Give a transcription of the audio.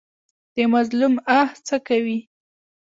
د مظلوم آه څه کوي؟